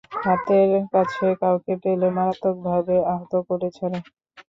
হাতের কাছে কাউকে পেলে মারাত্মকভাবে আহত করে ছাড়ে।